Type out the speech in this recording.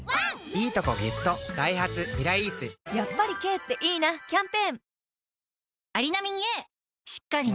やっぱり軽っていいなキャンペーン